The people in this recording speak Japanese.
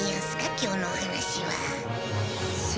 今日のお話は。